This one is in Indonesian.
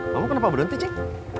kamu kenapa berhenti cik